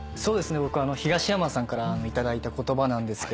僕東山さんから頂いた言葉なんですけど。